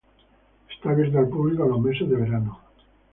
Está abierto al público en los meses de verano.